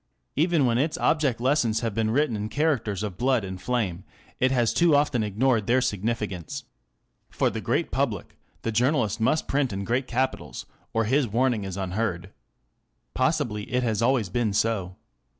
Even when its object lessons have been written in characters of blood and flame, it has too often ignored their significance. For the great public the journalist must print in great capitals, or his warning is unheard. Possibly it has always been so.